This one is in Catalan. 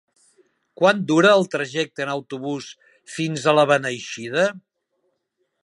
Quant dura el trajecte en autobús fins a Beneixida?